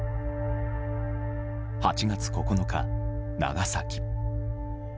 ８月９日、長崎。